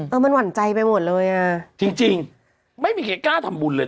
เออมันหวั่นใจไปหมดเลยอ่ะจริงจริงไม่มีใครกล้าทำบุญเลย